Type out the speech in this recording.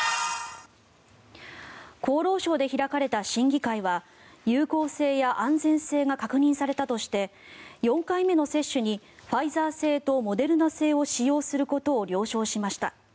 厚労省で開かれた審議会は有効性や安全性が確認されたとして４回目の接種にファイザー製とモデルナ製を使用することを了承しました。